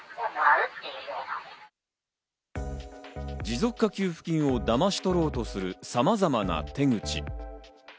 持続化給付金をだまし取ろうとするさまざまな手口。